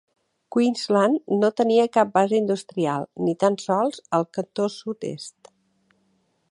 Queensland no tenia cap base industrial, ni tan sols al cantósud-est.